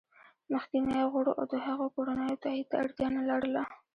مخکینیو غړو او د هغوی کورنیو تایید ته اړتیا نه لرله